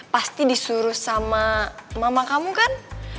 pasti disuruh sama mama kamu kan